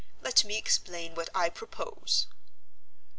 Let me explain what I propose."